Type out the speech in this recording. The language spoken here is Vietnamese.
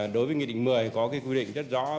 đối với nghị định một mươi có quy định rất đáng chú ý